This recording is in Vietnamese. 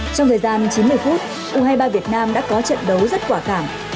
trong thời gian chín mươi phút u hai mươi ba việt nam đã có trận đấu rất quả khảm